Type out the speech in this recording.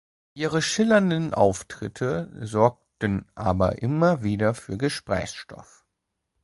Ihre schillernden Auftritte sorgten aber immer wieder für Gesprächsstoff.